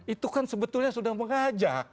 itu kan sebetulnya sudah mengajak